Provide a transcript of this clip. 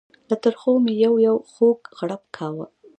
له ترخو مې یو یو خوږ غړپ کاوه.